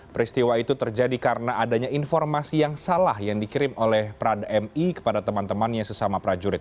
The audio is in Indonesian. peristiwa itu terjadi karena adanya informasi yang salah yang dikirim oleh prada mi kepada teman temannya sesama prajurit